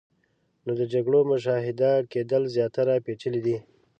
نو د جګړو مشاهده کېدل زیاتره پیچلې دي.